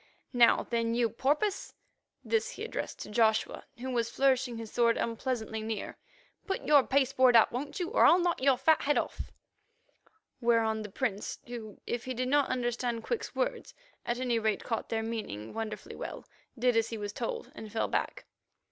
Now, then, you porpoise"—this he addressed to Joshua, who was flourishing his sword unpleasantly near—"put your pasteboard up, won't you, or I'll knock your fat head off," whereon the Prince, who, if he did not understand Quick's words, at any rate caught their meaning wonderfully well, did as he was told, and fell back.